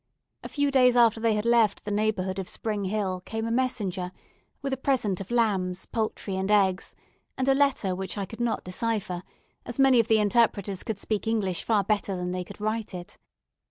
A few days after they had left the neighbourhood of Spring Hill came a messenger, with a present of lambs, poultry, and eggs, and a letter, which I could not decipher, as many of the interpreters could speak English far better than they could write it.